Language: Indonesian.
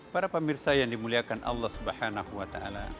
para pemirsa yang dimuliakan allah swt